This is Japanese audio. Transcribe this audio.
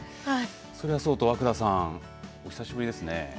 それはそうと和久田さんお久しぶりですね。